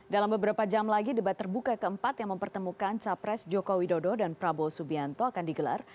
dalam beberapa jam lagi debat terbuka keempat yang mempertemukan capres joko widodo dan prabowo subianto akan digelar